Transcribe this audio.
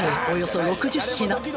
およそ６０品